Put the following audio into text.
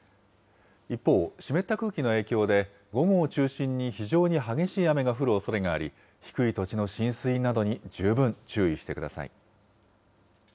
一方、湿った空気の影響で、午後を中心に非常に激しい雨が降るおそれがあり、低い土地の浸水などに十分注意してください。